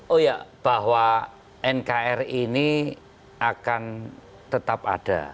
oh ya bahwa nkri ini akan tetap ada